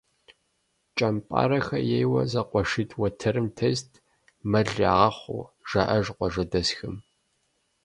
КӀэмпӀарэхэ ейуэ зэкъуэшитӀ уэтэрым тест, мэл ягъэхъуу, жаӀэж къуажэдэсхэм.